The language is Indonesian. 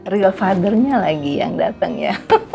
real father nya lagi yang dateng ya